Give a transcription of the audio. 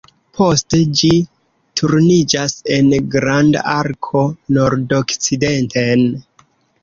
Poste ĝi turniĝas en granda arko nordokcidenten.